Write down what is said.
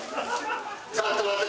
ちょっと待って！